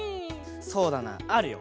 そうだなあるよ！